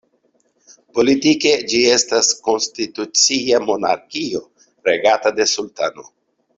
Politike ĝi estas konstitucia monarkio, regata de sultano.